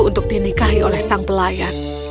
untuk dinikahi oleh sang pelayan